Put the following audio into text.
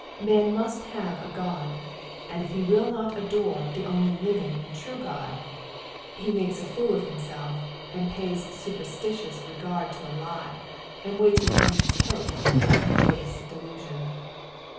Hon must have a god, and if he will not adore the only living and true God, PSALU THE THIBtT FIBST. 65 tie makes a fool of himself, and pays BUperstitious remrd to a He, and waits with anxious hope upon a base dcliuion.